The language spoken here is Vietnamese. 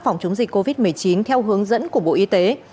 phòng chống dịch covid một mươi chín theo hướng dẫn của bộ y tế